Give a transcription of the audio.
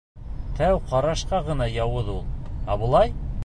Тәү ҡарашҡа ғына яуыз ул, ә былай...